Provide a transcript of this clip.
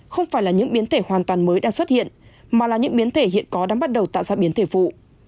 không phải là những biến thể hoàn toàn mới đang xuất hiện mà là những biến thể hiện có đang bắt đầu tạo ra biến thể phụ